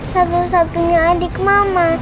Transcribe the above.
satu satunya adik mama